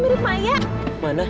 mending lo jahatin ke uang sama gue